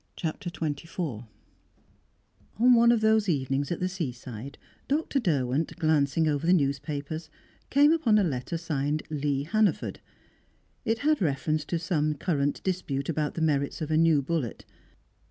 CHAPTER XXIV On one of those evenings at the seaside, Dr. Derwent, glancing over the newspapers, came upon a letter signed "Lee Hannaford." It had reference to some current dispute about the merits of a new bullet.